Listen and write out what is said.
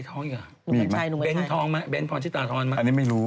อันนี้ไม่รู้